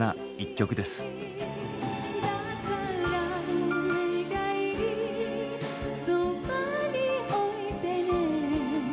「だからお願いそばに置いてね」